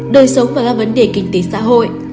bốn đời sống và các vấn đề kinh tế xã hội